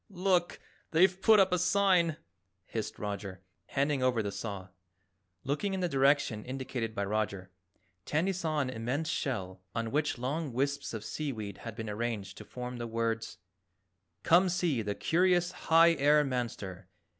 "Look, they've put up a sign," hissed Roger, handing over the saw. Looking in the direction indicated by Roger, Tandy saw an immense shell on which long wisps of sea weed had been arranged to form the words: COME SEE THE CURIOUS HIGH AIR MANSTER.